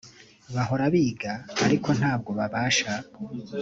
bahora biga ariko ntabwo babasha